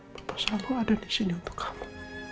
papa selalu ada disini untuk kamu